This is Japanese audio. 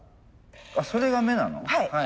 あそれが目なの。